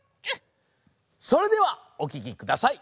それではおききください。